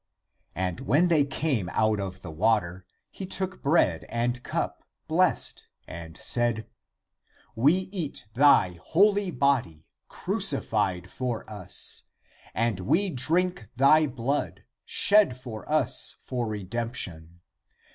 And when they came out of the water, he took bread and cup, blessed, and said, " We eat thy holy body, crucified for us ; and we drink thy blood, shed for us for redemption.